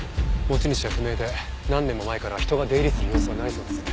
持ち主は不明で何年も前から人が出入りする様子はないそうです。